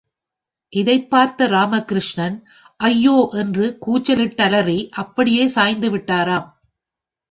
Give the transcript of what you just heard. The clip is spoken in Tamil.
இதைப் பார்த்த இராம கிருஷ்ணன், ஐயோ என்று கூச்சலிட்டலறி அப்படியே சாய்ந்து விட்டாராம்.